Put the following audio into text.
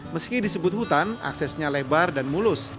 meski disebut hutan aksesnya lebar dan mulus